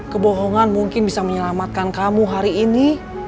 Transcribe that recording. kebohongan mungkin bisa menyelamatkan kamu hari ini